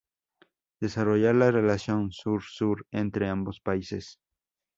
Desarrollar la relación Sur-Sur entre ambos países.